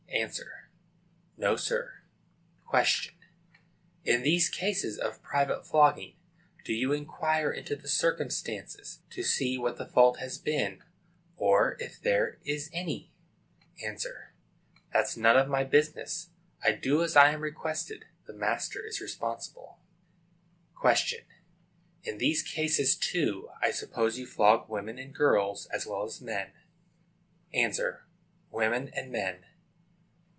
A. No, sir. Q. In these cases of private flogging, do you inquire into the circumstances, to see what the fault has been, or if there is any? A. That's none of my business. I do as I am requested. The master is responsible. Q. In these cases, too, I suppose you flog women and girls, as well as men. A. Women and men.